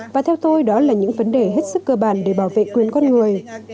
và theo tôi đó là những vấn đề hết sức cơ bản để bảo vệ quyền con người